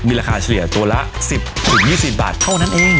มีราคาเฉลี่ยตัวละ๑๐๒๐บาทเท่านั้นเอง